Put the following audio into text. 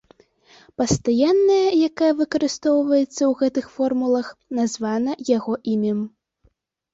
Пастаянная, якая выкарыстоўваецца ў гэтых формулах, названа яго імем.